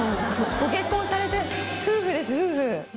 ご結婚されて夫婦です夫婦。